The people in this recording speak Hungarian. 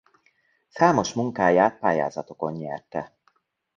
Számos munkáját pályázatokon nyerte.